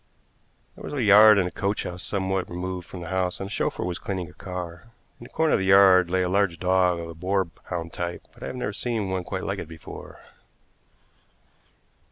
There was a yard and coach house somewhat removed from the house, and a chauffeur was cleaning a car. In the corner of the yard lay a large dog of the boar hound type, but I have never seen one quite like it before.